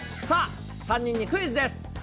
さあ、３人にクイズです。